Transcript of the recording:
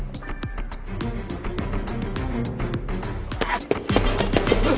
あっ。